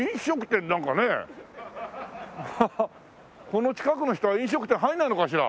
この近くの人は飲食店入らないのかしら？